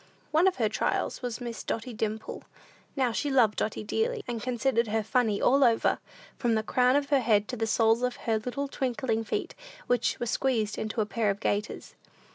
One of her trials was Miss Dotty Dimple. Now, she loved Dotty dearly, and considered her funny all over, from the crown of her head to the soles of her little twinkling feet, which were squeezed into a pair of gaiters.